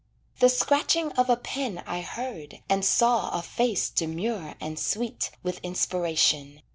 The scratching of a pen I heard And saw a face demure and sweet With inspiration.